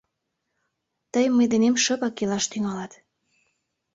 Тый мый денем шыпак илаш тӱҥалат.